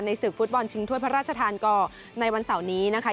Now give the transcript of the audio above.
ศึกฟุตบอลชิงถ้วยพระราชทานก่อในวันเสาร์นี้นะคะ